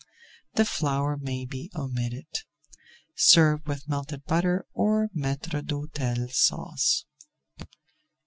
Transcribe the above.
The flour may be omitted. Serve with melted butter or Maître d'Hôtel Sauce.